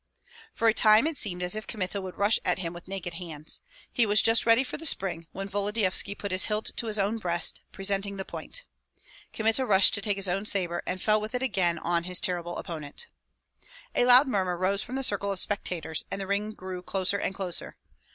For a time it seemed as if Kmita would rush at him with naked hands. He was just ready for the spring, when Volodyovski put his hilt to his own breast, presenting the point. Kmita rushed to take his own sabre, and fell with it again on his terrible opponent. A loud murmur rose from the circle of spectators, and the ring grew closer and closer.